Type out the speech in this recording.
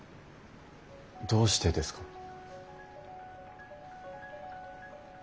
どうしてですか？